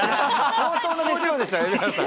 相当な熱量でしたよ、蛯原さん。